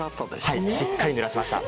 はいしっかりぬらしました。